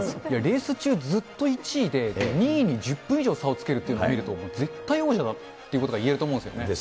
練習中ずっと１位で、２位に１０分以上差をつけるというのを見ると、絶対王者だということが言えると思うんですよね。